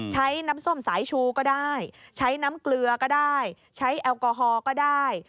ใช้น้ำส้มสายชูก็ได้ใช้น้ำเกลือก็ได้ใช้แอลกอฮอล์ก็ได้